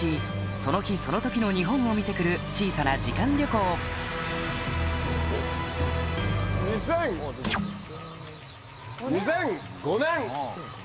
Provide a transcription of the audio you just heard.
その日その時の日本を見てくる小さな時間旅行２０００２００５年！